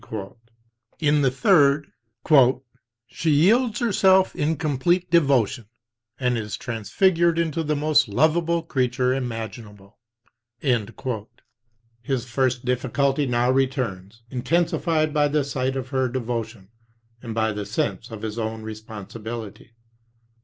In the third, "she yields herself in complete devotion, and is transfigured into the most lovable creature imaginable." His first difficulty now returns, intensified by the sight of her devotion and by the sense of his own responsibility.